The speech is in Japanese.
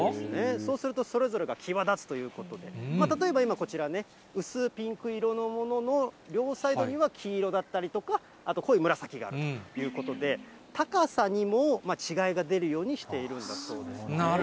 そうするとそれぞれが際立つということで、例えば今、こちらね、薄ピンク色のものの両サイドには黄色だったりとか、あと濃い紫だということで、高さにも違いが出るようにしているんだそうです。